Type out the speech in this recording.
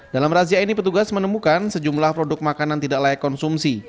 dalam razia ini petugas menemukan sejumlah produk makanan tidak layak konsumsi